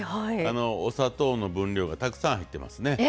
お砂糖の分量がたくさん入ってますね。